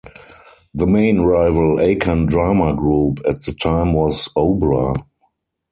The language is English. The main rival Akan drama group at the time was Obra.